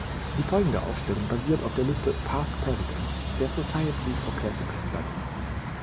Die folgende Aufstellung basiert auf der Liste "Past Presidents" der "Society for Classical Studies".